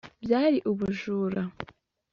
byari ubujura